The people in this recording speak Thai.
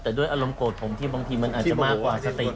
แต่ด้วยอารมณ์โกรธผมที่บางทีมันอาจจะมากกว่าสติ